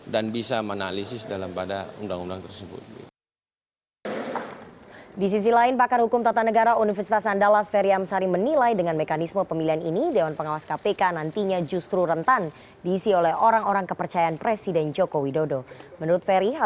dan bisa menalisis dalam pada undang undang tersebut